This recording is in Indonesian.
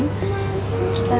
sampai jumpa lagi